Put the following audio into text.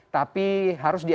tapi harus diakui